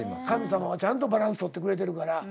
神様はちゃんとバランスとってくれてるから。